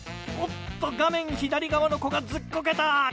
おっと画面右側の子がずっこけた。